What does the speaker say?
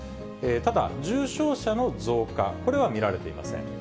ただ、重症者の増加、これは見られていません。